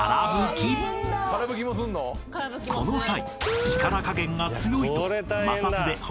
［この際］